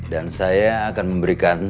dan saya akan memberikan